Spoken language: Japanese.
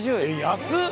安っ！